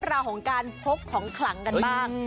ราวของการพกของขลังกันบ้าง